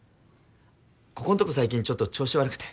ここんとこ最近ちょっと調子悪くて。